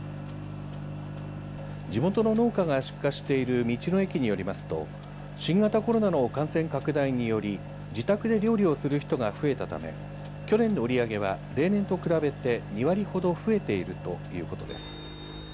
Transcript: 地元の農家が出荷している道の駅によりますと新型コロナの感染拡大により自宅で料理をする人が増えたため去年の売り上げは例年と比べて２割ほど増えているということです。